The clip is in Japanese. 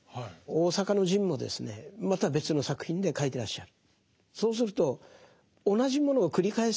大坂の陣もですねまた別の作品で書いてらっしゃる。